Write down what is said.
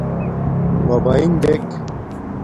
بَبݳئݣ دݵک.